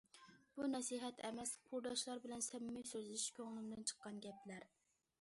بۇ نەسىھەت ئەمەس، قۇرداشلار بىلەن سەمىمىي سۆزلىشىش، كۆڭلۈمدىن چىققان گەپلەر.